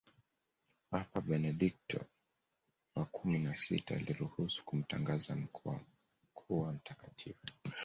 Papa Benedikto wa kumi na sita aliruhusu kumtangaza kuwa mtakatifu